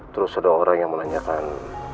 terus ada orang yang menanyakan